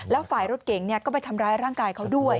แล้วฝ่ายรถเก๋งก็ไปทำร้ายร่างกายเขาด้วย